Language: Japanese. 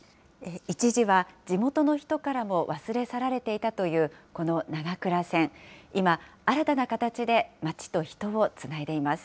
一時は地元の人からも忘れ去れていたというこの長倉線、今、新たな形で町と人をつないでいます。